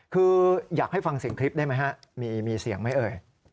คืออยากให้ฟังเสียงคลิปได้ไหมฮะมีเสียงไหมเอ่ย